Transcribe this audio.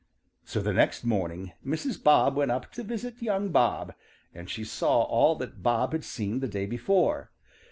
So the next morning Mrs. Bob went up to visit young Bob, and she saw all that Bob had seen the day before.